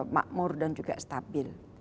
makmur dan juga stabil